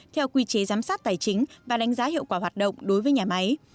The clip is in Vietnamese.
theo quy chế giám sát tài chính và đánh giá hiệu quả hoạt động đối với nhà máy